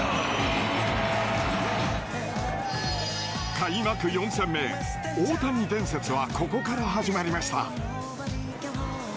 開幕４戦目大谷伝説はここから始まりました。